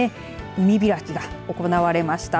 海開きが行われました。